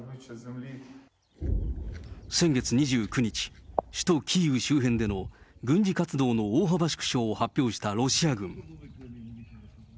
先月２９日、首都キーウ周辺での、軍事活動の大幅縮小を発表したロシア軍。